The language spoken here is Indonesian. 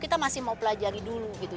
kita masih mau pelajari dulu gitu